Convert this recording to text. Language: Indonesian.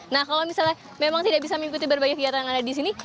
nah kalau misalnya memang tidak bisa mengikuti berbagai kegiatan yang ada di sini